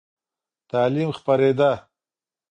تعلیم خپرېده.